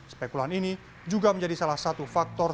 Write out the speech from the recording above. spekulan ini juga menjadi salah satu faktor